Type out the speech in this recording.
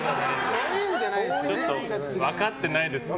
ちょっと分かってないですね。